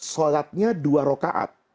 sholatnya dua rokaat